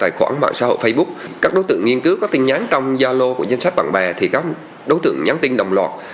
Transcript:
tài khoản mạng xã hội facebook các đối tượng nghiên cứu có tin nhắn trong gia lô của danh sách bạn bè thì các đối tượng nhắn tin đồng loạt